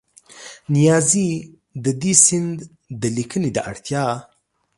نیازي د دې سیند د لیکنې د اړتیا